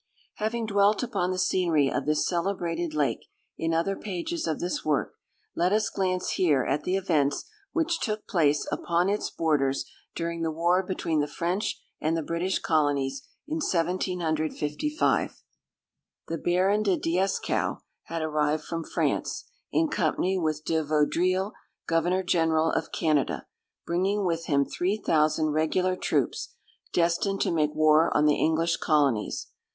Having dwelt upon the scenery of this celebrated Lake in other pages of this work, let us glance here at the events which took place upon its borders during the war between the French and the British colonies, in 1755. The Baron de Dieskau had arrived from France, in company with De Vaudreuil, Governor General of Canada, bringing with him three thousand regular troops, destined to make war on the English colonies.